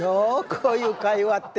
こういう会話って。